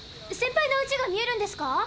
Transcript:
センパイのうちが見えるんですか？